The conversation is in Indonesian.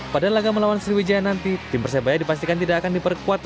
pada laga melawan sriwijaya nanti tim persebaya dipastikan tidak akan diperkuat